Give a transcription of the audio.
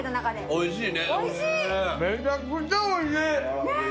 おいしい。